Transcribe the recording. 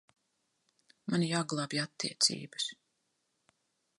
Man jāglābj attiecības.